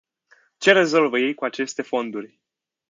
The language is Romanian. Ce rezolvă ei cu aceste fonduri?